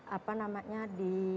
apa namanya di